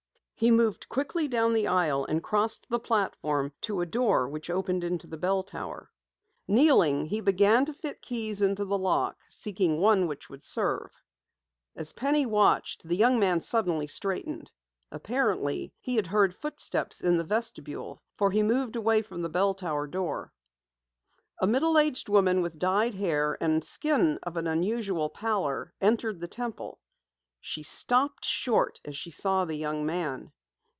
He moved quickly down the aisle, crossed the platform to a door which opened into the bell tower. Kneeling he began to fit keys into the lock, seeking one which would serve. As Penny watched, the young man suddenly straightened. Apparently he had heard footsteps in the vestibule for he moved away from the bell tower door. A middle aged woman with dyed hair and a skin of unusual pallor entered the Temple. She stopped short as she saw the young man.